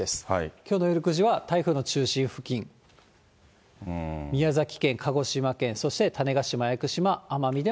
きょうの夜９時は台風の中心付近、宮崎県、鹿児島県、そして種子島・屋久島、奄美でも。